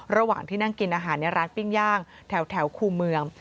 ระหว่างที่นั่งกินอาหารในร้านปิ้งย่างแถวคู่เมือง